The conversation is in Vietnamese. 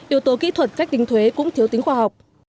yếu tố kỹ thuật cách tính thuế cũng thiếu tính khoa học